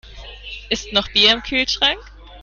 Ist noch Bier im Kühlschrank?